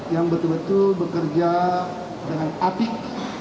yang betul betul bekerja dengan apik